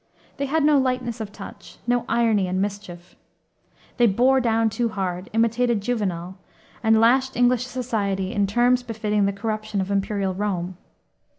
They had no lightness of touch, no irony and mischief. They bore down too hard, imitated Juvenal, and lashed English society in terms befitting the corruption of Imperial Rome.